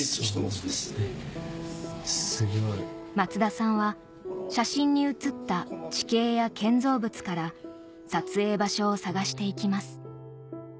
松田さんは写真に写った地形や建造物から撮影場所を探していきます